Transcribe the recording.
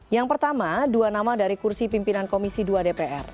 yang pertama dua nama dari kursi pimpinan komisi dua dpr